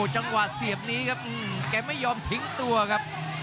จังหวะเสียบนี้ครับแกไม่ยอมทิ้งตัวครับ